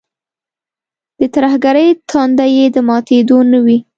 د ترهګرۍ تنده یې د ماتېدو نه وي.